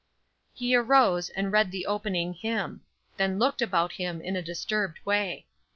He arose and read the opening hymn; then looked about him in a disturbed way.